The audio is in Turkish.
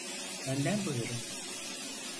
Önden buyurun.